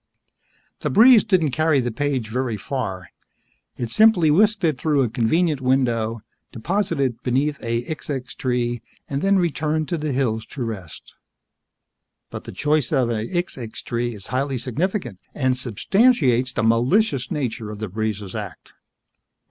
The breeze didn't carry the page very far. It simply whisked it through a convenient window, deposited it beneath a xixxix tree and then returned to the hills to rest. But the choice of a xixxix tree is highly significant and substantiates the malicious nature of the breeze's act.